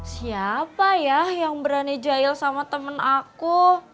siapa ya yang berani jahil sama temen aku